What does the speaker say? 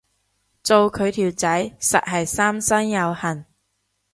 做佢條仔實係三生有幸